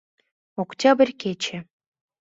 Октябрь кече